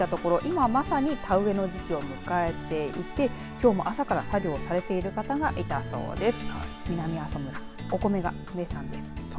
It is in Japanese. そ観光局の方に聞いたところ今、まさに田植えの時期を迎えていてきょうも朝から作業をされている方がいたそうです。